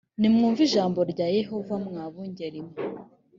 nimwumve ijambo rya yehova mwa bungeri mwe